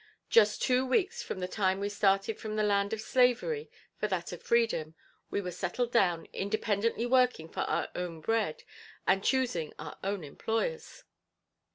Just two weeks from the time we started from the land of slavery for that of freedom, we were settled down, independently working for our own bread, and choosing our own employers.